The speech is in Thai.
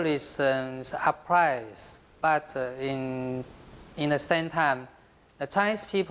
และรับทราบในพันธุ์ศิลป์